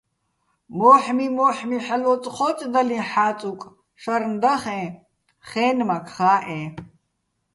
მო́ჰმი-მო́ჰ̦მი ჰ̦ალო̆ ოწჴო́წდალიჼ ჰ̦ა́წუკ, შარნ დახეჼ, ხე́ნმაქ ხა́ჸეჼ.